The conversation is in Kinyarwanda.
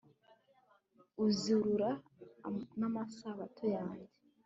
uzirura namasabato yanjye